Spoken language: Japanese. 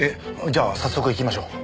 じゃあ早速行きましょう。